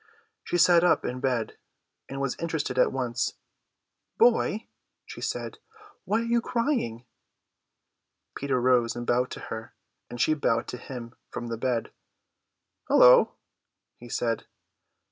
She sat up in bed, and was interested at once. "Boy," she said, "why are you crying?" Peter rose and bowed to her, and she bowed to him from the bed. "Hullo," he said.